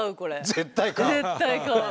絶対買う？